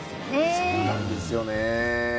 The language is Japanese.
そうなんですよね。